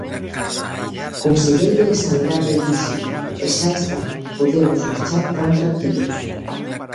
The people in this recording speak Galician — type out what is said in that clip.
Conselleiro de Sanidade dixit, e xa está, podemos marchar tan tranquilos.